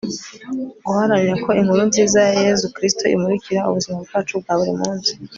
guharanira ko inkuru nziza ya yezu kristu imurikira ubuzima bwacu bwa buri munsi